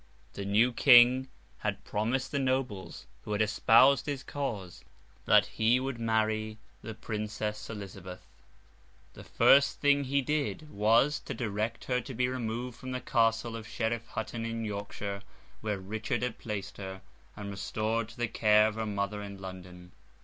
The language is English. The new King had promised the nobles who had espoused his cause that he would marry the Princess Elizabeth. The first thing he did, was, to direct her to be removed from the castle of Sheriff Hutton in Yorkshire, where Richard had placed her, and restored to the care of her mother in London.